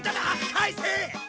返せ！